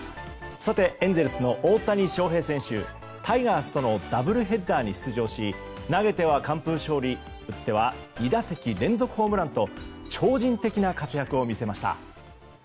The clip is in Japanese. エンゼルスの大谷翔平選手タイガースとのダブルヘッダーに出場し、投げては完封勝利打っては２打席連続ホームランと超人的な活躍を見せました。